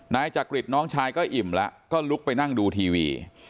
นายจักริตน้องชายก็อิ่มแล้วก็ลุกไปนั่งดูทีวี